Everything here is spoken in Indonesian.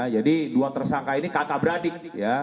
jadi dua tersangka ini kakak beradik